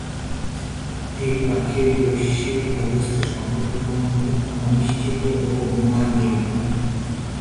এই পাখির বৈশ্বিক অবস্থা সংকটাপন্ন, অনিশ্চিত ও অনুমান নির্ভর।